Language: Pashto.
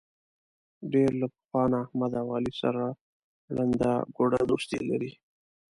ډېر له پخوا نه احمد او علي سره ړنده ګوډه دوستي لري.